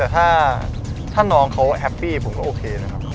ถ้าน้องเขาแฮปปี้ผมก็โอเคนะครับ